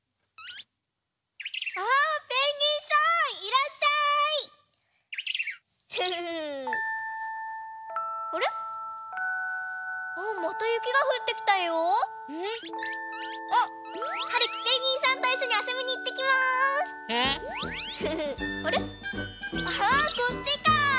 あれっ？あこっちか！